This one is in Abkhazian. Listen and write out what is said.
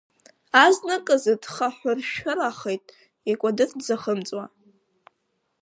Азныказ дхаҳәыршәырахеит, икәадыр дзахымҵуа.